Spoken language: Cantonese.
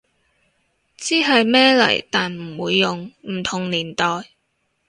知係咩嚟但唔會用，唔同年代